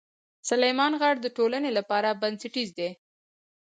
سلیمان غر د ټولنې لپاره بنسټیز دی.